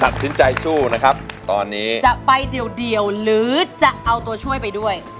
ตัดสินใจสู้นะครับตอนนี้จะไปเดี่ยวหรือจะเอาตัวช่วยไปด้วย